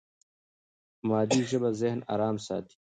مادي ژبه ذهن ارام ساتي.